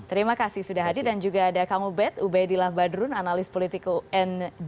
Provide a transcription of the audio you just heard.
terima kasih sudah ada dan juga ada kamu bet ubedillah badrun analis politik unj